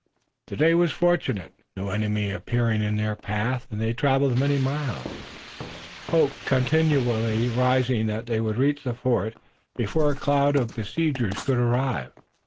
The day was fortunate, no enemy appearing in their path, and they traveled many miles, hope continually rising that they would reach the fort before a cloud of besiegers could arrive.